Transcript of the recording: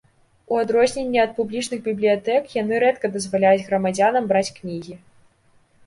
У адрозненне ад публічных бібліятэк, яны рэдка дазваляюць грамадзянам браць кнігі.